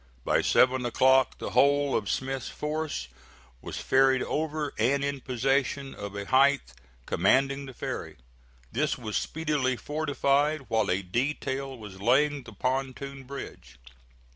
By seven o'clock the whole of Smith's force was ferried over and in possession of a height commanding the ferry. This was speedily fortified, while a detail was laying the pontoon bridge.